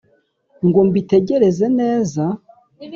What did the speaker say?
ngo mbitegereze neza